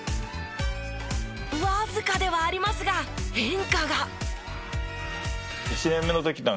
わずかではありますが変化が。